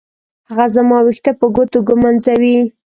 هغه زما ويښته په ګوتو ږمنځوي.